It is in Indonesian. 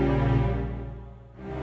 aku mau ke rumah